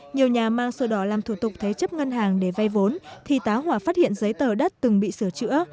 nhiều nhà mang sổ đỏ làm thủ tục thế chấp ngân hàng để vay vốn thì tá hòa phát hiện giấy tờ đất từng bị sửa chữa